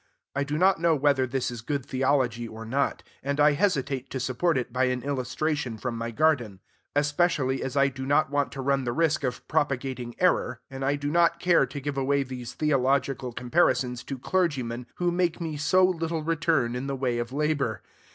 I do not know whether this is good theology, or not; and I hesitate to support it by an illustration from my garden, especially as I do not want to run the risk of propagating error, and I do not care to give away these theological comparisons to clergymen who make me so little return in the way of labor.